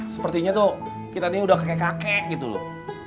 sepertinya tuh kita nih udah kakek kakek gitu loh